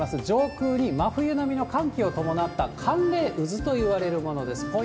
上空に真冬並みの寒気を伴った寒冷渦といわれるものです。